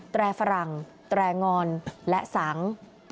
แรฝรั่งแตรงอนและสัง